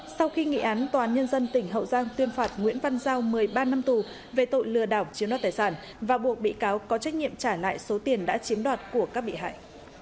sau khi nghị án tòa án nhân dân tỉnh hậu giang tuyên phạt nguyễn văn giao một mươi ba năm tù về tội lừa đảo chiếm đoạt tài sản và buộc bị cáo có trách nhiệm trả lại số tiền đã chiếm đoạt của các bị hại